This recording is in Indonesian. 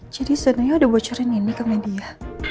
jadi zanaya udah bocorin ini ke media